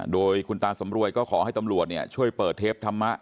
โดยคุณตาสำรวยก็ขอให้ตำรวจช่วยเปิดเทปธรรมะ